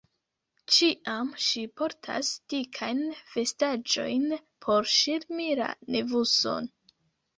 Ĉiam ŝi portas dikajn vestaĵojn por ŝirmi la nevuson.